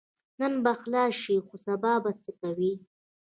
نن به خلاص شې خو سبا به څه کوې؟